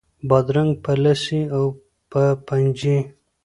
بادرنګ په لسي او په پنجي